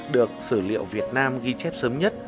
được sử liệu việt nam ghi chép sớm nhất